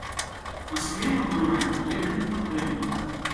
Маскве, натуральна, гэта не патрэбна.